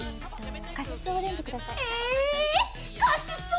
カシスオレンジ下さい。